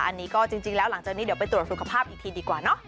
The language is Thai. อันนี้ก็จริงแล้วหลังจากนี้เดี๋ยวไปตรวจสุขภาพอีกทีดีกว่าเนาะ